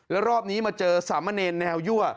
แล้วรอบนี้มาเจอสามเณรแนวยั่ว